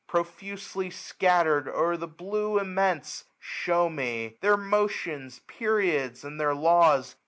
Profusely scattered o'er the blue immense,. Shew me ; ijieir motions, periods, and their law^.